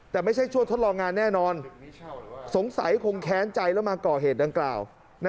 แต่ไม่ใช่ช่วยทดลองงานแน่นอนสงสัยคงแค้นใจแล้วมาก่อเหตุดังกล่าว